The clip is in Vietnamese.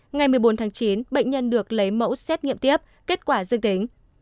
ngày một mươi bốn tháng chín bệnh nhân được lấy mẫu xét nghiệm tiếp kết quả dương tính